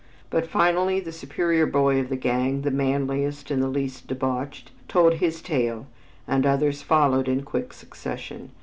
But finally the superior boy of the gang, the manliest and the least debauched, told his tale, and the others followed in quick succession.